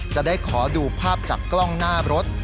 จะได้ขอดูภาพจากกล้องหน้ารถ